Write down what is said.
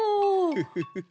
フフフフ。